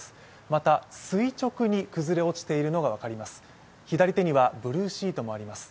また垂直に崩れ落ちているのが分かります。